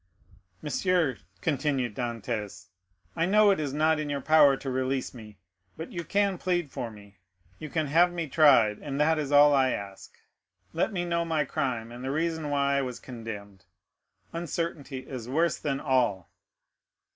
"Monsieur," continued Dantès, "I know it is not in your power to release me; but you can plead for me—you can have me tried—and that is all I ask. Let me know my crime, and the reason why I was condemned. Uncertainty is worse than all."